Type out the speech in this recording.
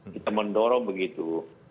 kita mendorong begitu